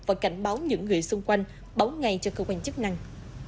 và cảnh báo những người xung quanh báo ngay cho cơ quan chức năng